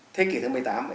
thế kỷ thứ một mươi tám